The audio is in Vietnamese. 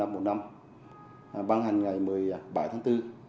văn hành ngày một mươi bảy tháng bốn